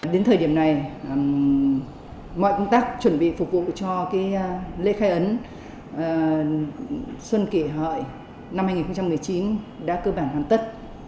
đến thời điểm này mọi công tác chuẩn bị phục vụ cho lễ khai ấn xuân kỷ hợi năm hai nghìn một mươi chín đã cơ bản hoàn tất